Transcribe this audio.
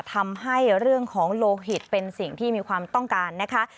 ทำให้เรื่องของโลหิตเป็นสิ่งที่มีความต้องการนะคะ